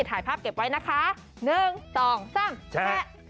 ถ่ายภาพเก็บไว้นะคะ๑๒๓แชะ